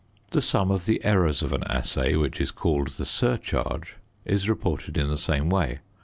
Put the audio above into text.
The sum of the errors of an assay, which is called the surcharge, is reported in the same way.